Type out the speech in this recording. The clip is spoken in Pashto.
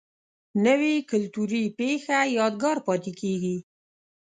نوې کلتوري پیښه یادګار پاتې کېږي